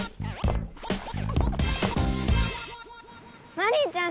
マリンちゃん